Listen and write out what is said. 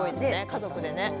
家族でね。